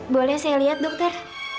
boleh saya lihat dokter